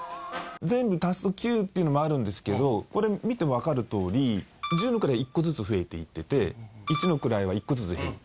全部足すと９っていうのもあるんですけどこれ見てわかるとおり十の位１個ずつ増えていってて一の位は１個ずつ減っていってて。